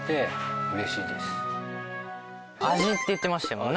味って言ってましたよね？